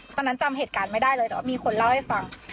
เมื่อนั้นจำเหตุการณ์ไม่ได้เลยแต่มีคนเล่าให้ฟัง